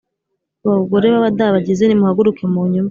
Bagore b’abadabagizi, nimuhaguruke munyumve!